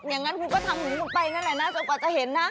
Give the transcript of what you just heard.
อย่างนั้นคุณก็ทำของคุณไปนั่นแหละนะจนกว่าจะเห็นนะ